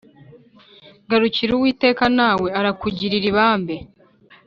Garukira uwiteka nawe arakugirira ibambe